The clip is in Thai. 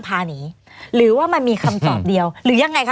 พาหนีหรือว่ามันมีคำตอบเดียวหรือยังไงคะ